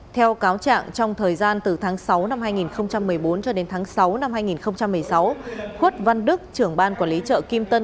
theo cáo trạng trong thời gian từ tháng sáu năm hai nghìn một mươi bốn cho đến tháng sáu năm hai nghìn một mươi sáu khuất văn đức trưởng ban quản lý chợ kim tân